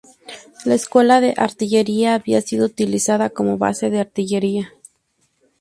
La escuela de artillería había sido utilizada como base de artillería.